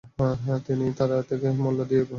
তবে তিনি তা তার থেকে মূল্য দিয়ে গ্রহণ করলেন।